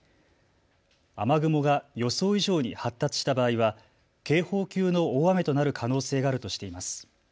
雨雲が予想以上に発達した場合は警報級の大雨となる可能性があるとしています。